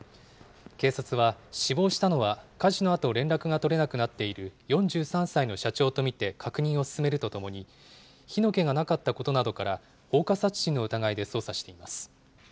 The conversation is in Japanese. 警察は、死亡したのは火事のあと連絡が取れなくなっている４３歳の社長と見て確認を進めるとともに、火の気がなかったことなどから、放火殺人の疑いで捜査しています。